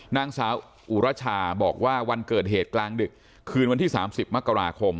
นางสาวอุรชาบอกว่าวันเกิดเหตุกลางดึกคืนวันที่๓๐มกราคม